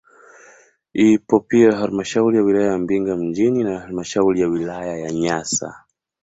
Ipo pia halmashauri ya wilaya Mbinga mjini na halmashauri ya wilaya ya Nyasa